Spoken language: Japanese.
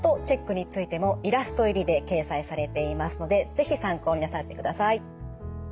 ＦＡＳＴチェックについてもイラスト入りで掲載されていますので是非参考になさってください。